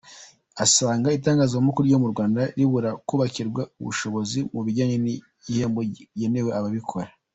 Asanga itangazamakuru ryo mu Rwanda ribura kubakirwa ubushobozi mu bijyanye n’igihembo kigenerwa abarikora.